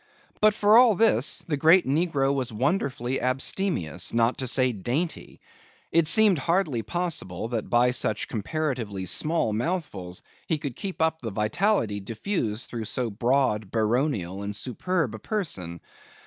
But for all this, the great negro was wonderfully abstemious, not to say dainty. It seemed hardly possible that by such comparatively small mouthfuls he could keep up the vitality diffused through so broad, baronial, and superb a person.